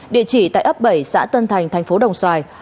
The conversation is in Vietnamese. địa chỉ tại ấp bảy xã tân thành thành phố đồng xoài